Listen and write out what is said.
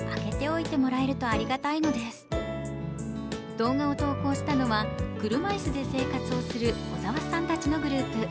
動画を投稿したのは車椅子で生活をする小澤さんたちのグループ。